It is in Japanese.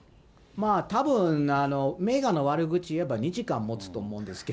まあ、たぶんメーガンの悪口言えば２時間もつと思うんですけ